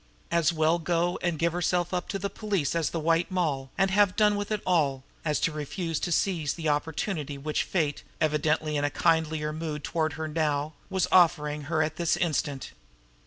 As well go and give herself up to the police as the White Moll and have done with it all, as to refuse to seize the opportunity which fate, evidently in a kindlier mood toward her now, was offering her at this instant.